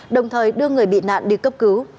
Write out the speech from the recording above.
đồng thời đưa người bị nạn đi cấp cứu